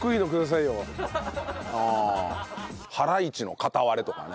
ああハライチの片割れとかね。